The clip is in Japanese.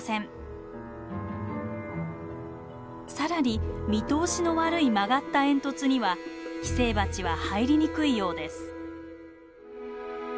更に見通しの悪い曲がった煙突には寄生バチは入りにくいようです。